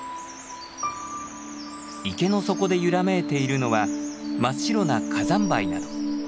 池の底で揺らめいているのは真っ白な火山灰など。